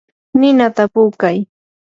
ninata puukay.